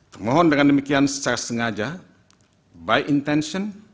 termohon dengan demikian secara sengaja by intension